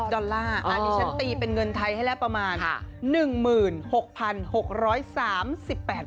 ดอลลาร์อันนี้ฉันตีเป็นเงินไทยให้แล้วประมาณ๑๖๖๓๘บาท